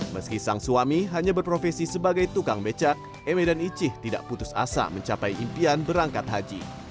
meski sang suami hanya berprofesi sebagai tukang becak eme dan icih tidak putus asa mencapai impian berangkat haji